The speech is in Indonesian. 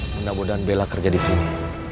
mudah mudahan bella kerja disini